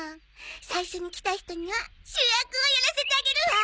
最初に来た人には主役をやらせてあげるわ！